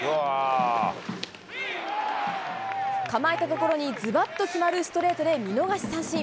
構えた所にずばっと決まるストレートで見逃し三振。